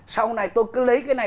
sau này tôi cứ lấy cái này